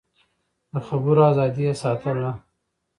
د خبرو ازادي يې ساتله.